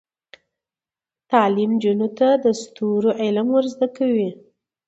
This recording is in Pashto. تعلیم نجونو ته د ستورو علم ور زده کوي.